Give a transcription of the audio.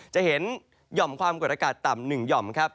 จะเห็นหย่อมความกดอากาศต่ำ๑หย่อมครับ